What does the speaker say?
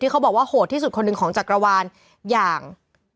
เขาบอกว่าโหดที่สุดคนหนึ่งของจักรวาลอย่าง